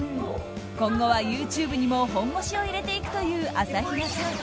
今後はＹｏｕＴｕｂｅにも本腰を入れていくという朝比奈さん。